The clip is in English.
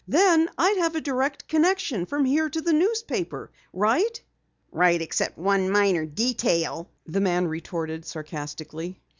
Then I'd have a direct connection from here to the newspaper. Right?" "Right except for one minor detail," the man retorted sarcastically.